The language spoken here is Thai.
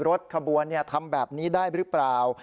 รถขบวนทำแบบนี้ได้หรือเปล่า